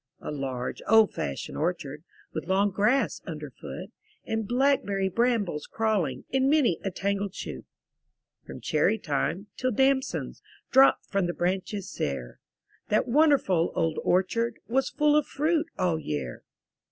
A large, old fashioned orchard. With long grass under foot. And blackberry brambles crawling In many a tangled shoot. From cherry time, till damsons Dropped from the branches sere, That wonderful old orchard Was full of fruit all year!